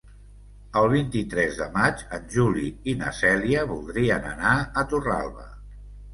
El vint-i-tres de maig en Juli i na Cèlia voldrien anar a Torralba.